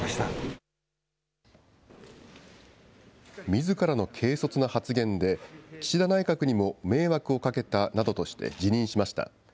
みずからの軽率な発言で岸田内閣にも迷惑をかけたなどとして辞任しました。